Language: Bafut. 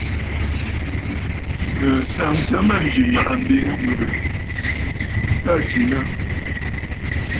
Nɨ̀ naŋsə mânjì M̀màꞌàmb ŋ̀ghɨrə t à tsinə!.